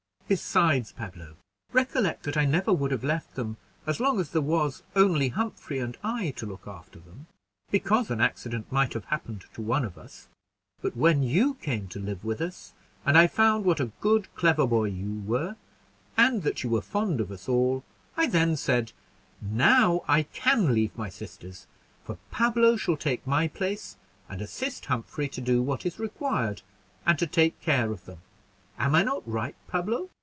"Besides, Pablo, recollect that I never would have left them as long as there was only Humphrey and I to look after them, because an accident might have happened to one of us; but when you came to live with us, and I found what a good, clever boy you were, and that you were fond of us all, I then said, 'Now I can leave my sisters, for Pablo shall take my place, and assist Humphrey to do what is required, and to take care of them.' Am I not right, Pablo?"